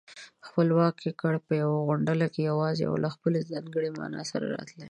خپلواک گړ په يوه غونډله کې يواځې او له خپلې ځانګړې مانا سره راتلای